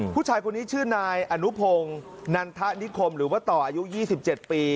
ผู้ชายคนนี้ชื่อนายอนุพงศ์นันทะนิคมหรือว่าต่ออายุ๒๗ปี